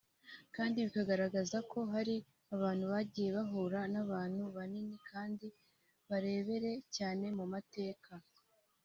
kandi bikagaragaza ko hari abantu bagiye bahura n’abantu banini kandi barebere cyane mu mateka